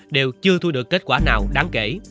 đều chưa thu được kết quả nào đáng kể